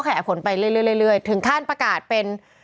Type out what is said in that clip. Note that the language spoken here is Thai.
ขยายผลไปเรื่อยถึงขั้นประกาศเป็น